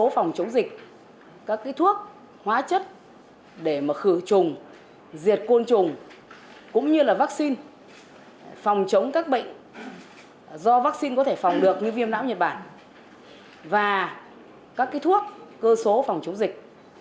phòng chống các bệnh do vaccine có thể phòng được như viêm não nhật bản và các cái thuốc cơ số phòng chống dịch